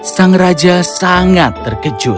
sang raja sangat terkejut